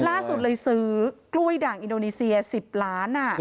ล่าสุดเลยซื้อกล้วยด่างอินโดนีเซีย๑๐ล้าน